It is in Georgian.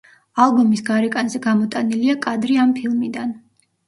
ალბომის გარეკანზე გამოტანილია კადრი ამ ფილმიდან.